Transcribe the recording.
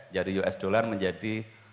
dari us dollar menjadi